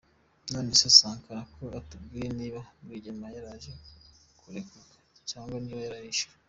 None se Sankara, ko utatubwiye niba Rwigema yaraje kurekurwa, cyangwa niba yarishwe?